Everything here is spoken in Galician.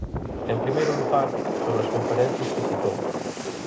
En primeiro lugar, sobre as conferencias que citou.